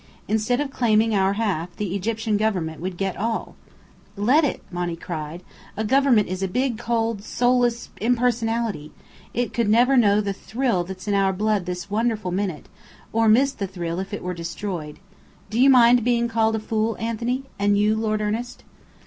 Instead of claiming our half, the Egyptian government would get all " "Let it!" Monny cried. "A government is a big, cold, soulless impersonality! It never could know the thrill that's in our blood this wonderful minute or miss the thrill if it were destroyed. Do you mind being called a fool, Anthony and you, Lord Ernest?"